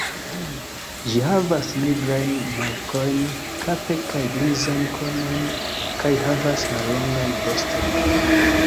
Ĝi havas nigrajn markojn kape kaj grizan kronon kaj havas mallongan voston.